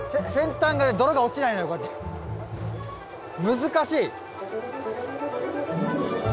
難しい！